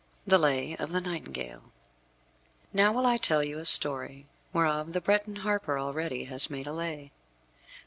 V THE LAY OF THE NIGHTINGALE Now will I tell you a story, whereof the Breton harper already has made a Lay.